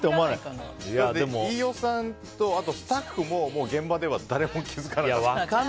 飯尾さんとスタッフも現場では誰も気づかなかったと。